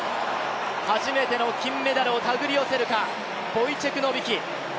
初めての金メダルをたぐり寄せるか、ボイチェク・ノビキ。